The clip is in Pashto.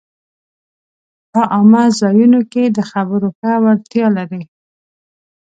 په عامه ځایونو کې د خبرو ښه وړتیا لري